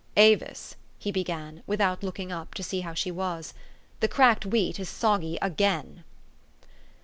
" Avis," he began, without looking up to see how she was, " the cracked wheat is soggy again."